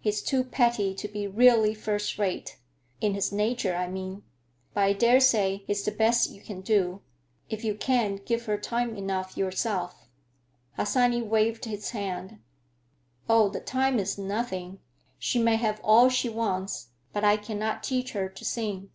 He's too petty to be really first rate; in his nature, I mean. But I dare say he's the best you can do, if you can't give her time enough yourself." Harsanyi waved his hand. "Oh, the time is nothing—she may have all she wants. But I cannot teach her to sing."